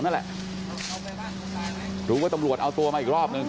คุณฟิว์รู้ว่าตำรวจเอาตัวมาอีกรอบหนึ่ง